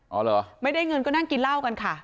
เหรอไม่ได้เงินก็นั่งกินเหล้ากันค่ะ